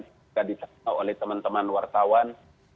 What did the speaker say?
tidak ditanggung oleh teman teman wartawan